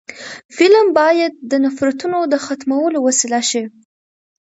فلم باید د نفرتونو د ختمولو وسیله شي